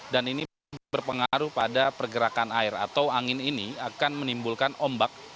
dan ini berpengaruh pada pergerakan air atau angin ini akan menimbulkan ombak